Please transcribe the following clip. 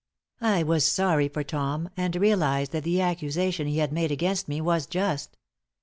I was sorry for Tom, and realized that the accusation he had made against me was just.